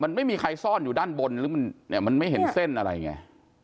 มันไม่มีใครซ่อนอยู่ด้านบนมันไม่เห็นเส้นอะไรไง